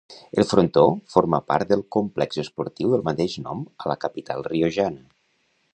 El frontó forma part del complex esportiu del mateix nom a la capital riojana.